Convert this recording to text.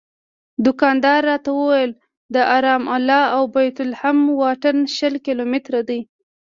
دوکاندار راته وویل د رام الله او بیت لحم واټن شل کیلومتره دی.